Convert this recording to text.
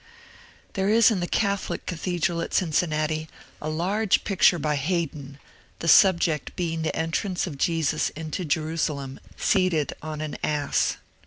There is in the Catholic cathedral at Cincinnati a large pic ture by Haydon, the subject being the entrance of Jesus into Jerusalem seated on an ass.